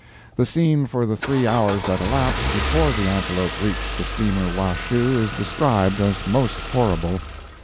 The scene for the three hours that elapsed before the Antelope reached the steamer Washoe is described as most horrible.